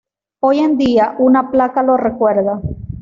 Hoy en día, una placa lo recuerda.